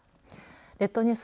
列島ニュース